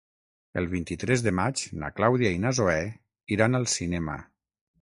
El vint-i-tres de maig na Clàudia i na Zoè iran al cinema.